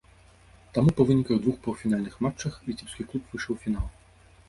Таму па выніках двух паўфінальных матчах віцебскі клуб выйшаў у фінал.